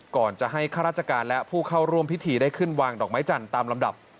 ก่อนจะให้ข้าราชการและผู้เข้าร่วมพิธีได้ขึ้นวางดอกไม้จันทร์ตามลำดับ